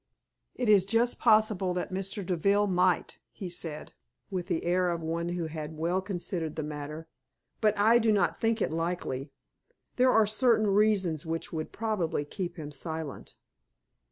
"It is just possible that Mr. Deville might," he said, with the air of one who had well considered the matter. "But I do not think it likely; there are certain reasons which would probably keep him silent."